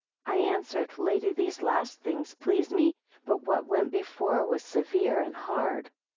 I answered, Lady, these last things please me; but what went before was severe and hard.